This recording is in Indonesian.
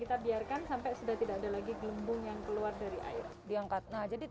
kita biarkan sampai tidak ada lagi gelembung yang keluar dari air